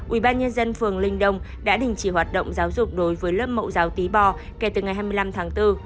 ubnd phường linh đông đã đình chỉ hoạt động giáo dục đối với lớp mẫu giáo tí bò kể từ ngày hai mươi năm tháng bốn